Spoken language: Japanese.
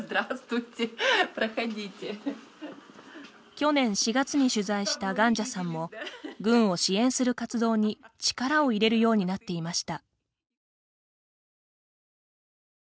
去年４月に取材したガンジャさんも軍を支援する活動に力を入れるようになっていました。